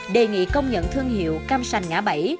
đề nghị công nhận thương hiệu cam sành ngã bảy